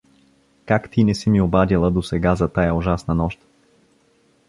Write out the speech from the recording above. — Как ти не си ми обадила досега за тая ужасна нощ!